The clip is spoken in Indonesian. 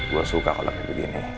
gue suka kalau kayak begini